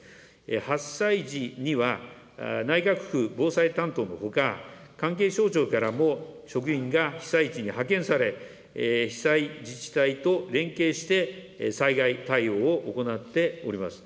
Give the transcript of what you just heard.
発災時には、内閣府防災担当のほか、関係省庁からも職員が被災地に派遣され、被災自治体と連携して、災害対応を行っております。